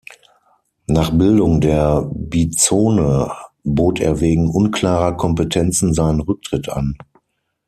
Nach Bildung der Bizone bot er wegen unklarer Kompetenzen seinen Rücktritt an.